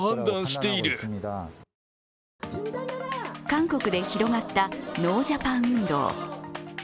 韓国で広がったノージャパン運動。